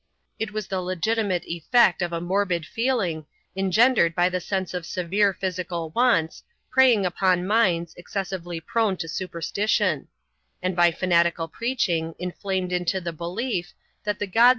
It was the legitimate eflect of a morbid feeling, engendered by the sense of severe physical wants, preying upon minds excessively prone to super stition ; and by fanatical preaching, inflamed into the belief, various significations by the natives.